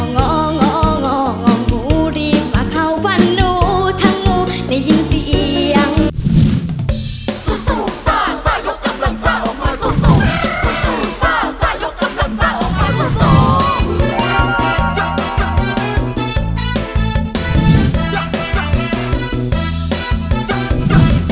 งองององูรีบมาเข้าฝันหนูทั้งงูได้ยินเสียง